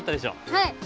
はい！